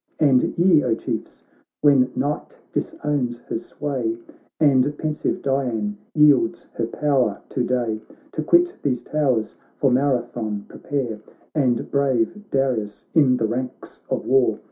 And ye, O Chiefs, when night disowns her sway, And pensive Dian yields her power to day, To quit these towers for Marathon pre pare, And brave Darius in the ranks of war.